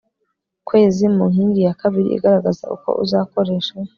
kwezi Mu nkingi ya kabiri garagaza uko uzakoresha